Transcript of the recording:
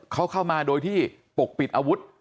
เขาเข้ามาโดยที่ปกปิดอาวุธ